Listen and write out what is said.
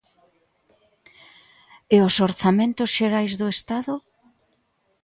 E os Orzamentos Xerais do Estado?